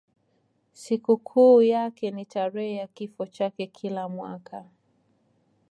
Sikukuu yake ni tarehe ya kifo chake kila mwaka.